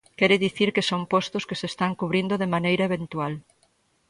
Quere dicir que son postos que se están cubrindo de maneira eventual.